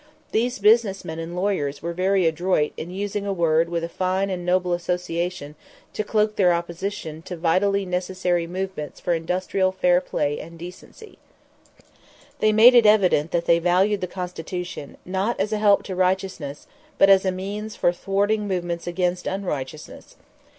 These business men and lawyers were very adroit in using a word with fine and noble associations to cloak their opposition to vitally necessary movements for industrial fair play and decency. They made it evident that they valued the Constitution, not as a help to righteousness, but as a means for thwarting movements against unrighteousness.